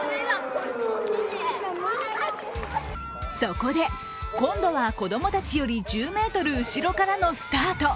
そこで、今度は子供たちより１０ｍ後ろからのスタート。